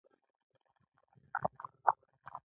بوتل د روغتیا پالنې برخه ده.